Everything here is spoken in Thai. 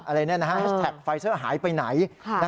อะไรแน่นั้นนะฮะแฮชทักไฟเซอร์หายไปไหน